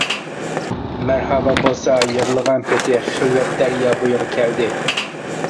مەرھابا بولسا يىغلىغان پېتى خىلۋەت دەريا بۇيىغا كەلدى.